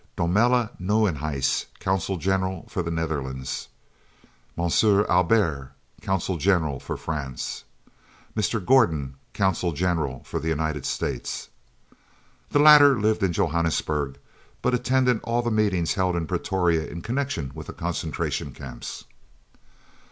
Domela Nieuwenhuis, Consul General for the Netherlands. M. Aubert, Consul General for France. Mr. Gordon, Consul General for United States. The latter lived in Johannesburg, but attended all the meetings held in Pretoria in connection with the Concentration Camps.